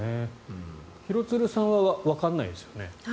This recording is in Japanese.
廣津留さんはわからないですよね。